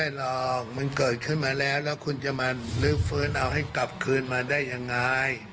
หรอกมันเกิดขึ้นมาแล้วแล้วคุณจะมาลื้อฟื้นเอาให้กลับคืนมาได้ยังไง